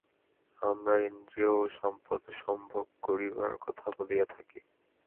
আমরা ইন্দ্রিয় ও সম্পদ সম্ভোগ করিবার কথা বলিয়া থাকি।